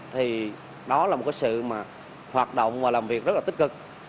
thì đó là một sự hoạt động và làm việc rất là tích cực